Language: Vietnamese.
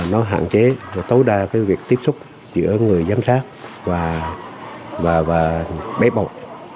nó hạn chế tối đa cái việc tiếp xúc giữa người giám sát và bé bọc